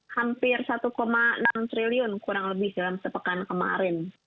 hampir rp satu enam triliun kurang lebih dalam sepekan kemarin